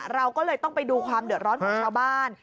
เราก็เลยต้องไปดูความเดือดร้อนของชาวบ้าน